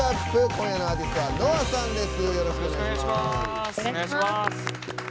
今夜のアーティストはＮＯＡさんです。